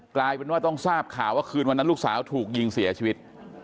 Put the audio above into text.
กลายเป็นว่าต้องทราบข่าวว่าคืนวันนั้นลูกสาวถูกยิงเสียชีวิต